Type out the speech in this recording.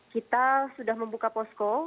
kita sudah membuka posko